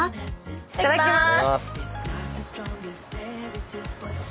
いただきまーす。